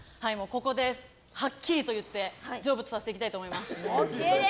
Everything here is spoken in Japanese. ここではっきりと言って成仏させていきたいと思います。